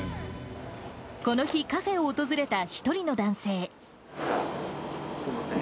この日、カフェを訪れた一人の男性。